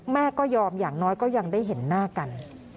แม่ก็ยอมอย่างน้อยก็ยังได้เห็นหน้ากัน